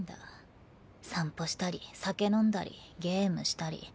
散歩したり酒飲んだりゲームしたり。